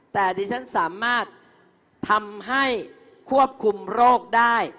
แต่ดิฉันสามารถทำให้ควบคุมโรคได้